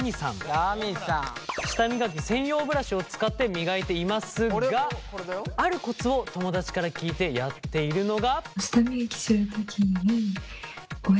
舌磨き専用ブラシを使って磨いていますがあるコツを友達から聞いてやっているのが。